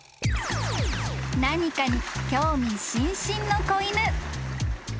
［何かに興味津々の子犬］